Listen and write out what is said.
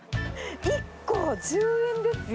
１個１０円ですよ。